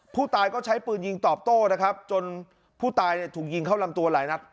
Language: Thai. ผู้ตายก็ใช้ปืนยิงตอบโต้นะครับจนผู้ตายเนี่ยถูกยิงเข้าลำตัวหลายนัด